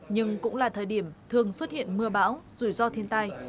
nhưng cũng là thời điểm thường xuất hiện mưa bão rủi ro thiên tai